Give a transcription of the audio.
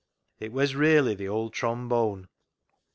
It was really the old trombone.